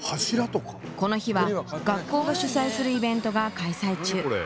この日は学校が主催するイベントが開催中。